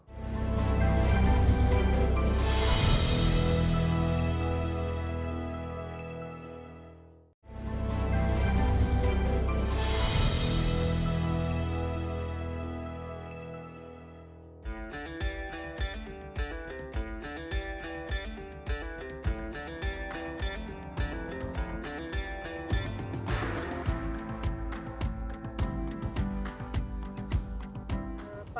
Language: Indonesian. iya semua adalah applied